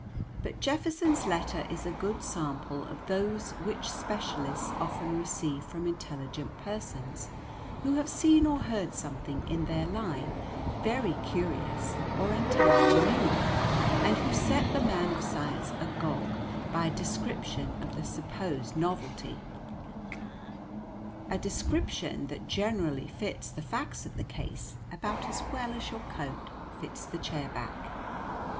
But Jefferson's letter is a good sample of those which specialists often receive from intelligent persons who have seen or heard something in their line very curious or entirely new, and who set the man of science agog by a description of the supposed novelty, a description that generally fits the facts of the case about as well as your coat fits the chair back.